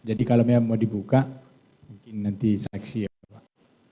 jadi kalau mau dibuka mungkin nanti seleksi ya pak